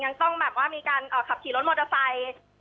ยังต้องแบบว่ามีการขับขี่รถมอเตอร์ไซค์